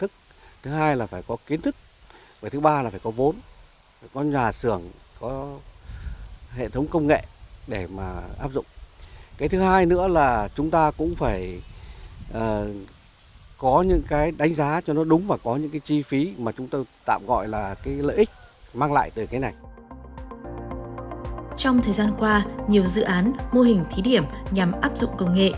trong thời gian qua nhiều dự án mô hình thí điểm nhằm áp dụng công nghệ